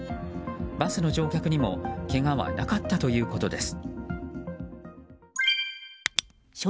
バスの乗客にもけがはなかったということです。